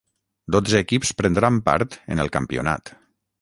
Dotze equips prendran part en el campionat.